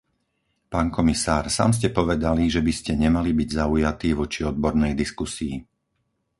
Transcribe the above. Pán komisár, sám ste povedali, že by ste nemali byť zaujatý voči odbornej diskusii.